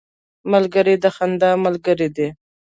ملګری د خندا ملګری دی